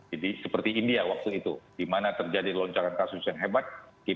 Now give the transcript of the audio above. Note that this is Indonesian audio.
jadi seperti india waktu itu di mana terjadi lonceng kasus yang hebat